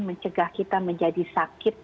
mencegah kita menjadi sakit